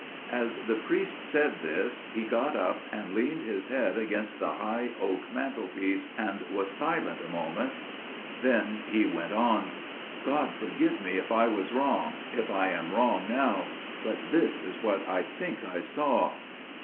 As the priest said this, he got up, and leaned his head against the high oak mantelpiece, and was silent a moment. Then he went on: "God forgive me if I was wrong––if I am wrong now––but this is what I think I saw.